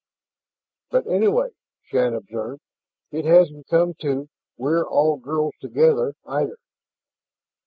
"But anyway," Shann observed, "it hasn't come to 'we're all girls together' either."